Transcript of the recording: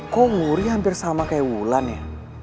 kok umurnya hampir sama kayak wulan ya